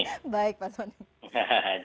baik pak soni